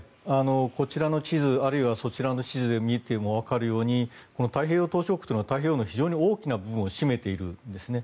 こちらの地図あるいはそちらの地図で見てもわかるように太平洋島しょ国というのは太平洋の非常に大きな部分を占めているんですね。